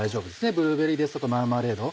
ブルーベリーですとかマーマレード。